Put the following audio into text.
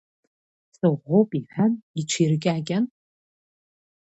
Сыӷәӷәоуп иҳәан, иҽиркьакьан…